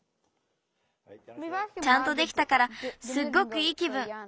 ちゃんとできたからすっごくいいきぶん。